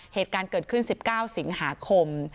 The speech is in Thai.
เหตุการณ์เกิดขึ้น๑๙สิงหาคม